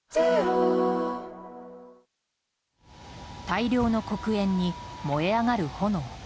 大量の黒煙に燃え上がる炎。